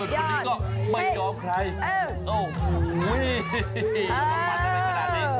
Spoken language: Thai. สุดท้อนนี้ก็ไม่ยอมใครโอ้โหเว้ยเห็นขนาดนี้